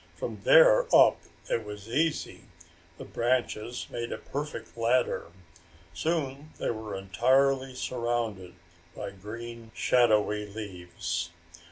From there up it was easy. The branches made a perfect ladder. Soon they were entirely surrounded by green shadowy leaves.